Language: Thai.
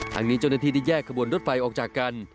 ทางนี้เจ้าหน้าที่ได้แยกขบวนรถไฟออกจากกัน